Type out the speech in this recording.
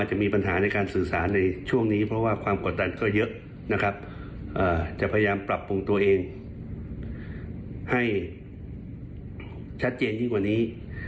จะพยายามปรับปรุงตัวเองให้ชัดเจนยิ่งกว่านี้